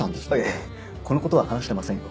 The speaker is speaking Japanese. このことは話してませんよ。